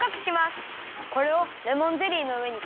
これをレモンゼリーのうえにかざるよ。